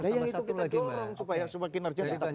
yang itu kita dorong supaya kinerjanya tetap berjaga